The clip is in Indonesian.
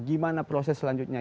gimana proses selanjutnya